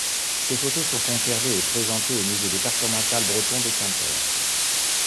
Ses photos sont conservées et présentées au musée départemental breton de Quimper.